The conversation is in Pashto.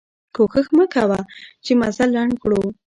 کوښښ مو کوه چې مزل لنډ کړو.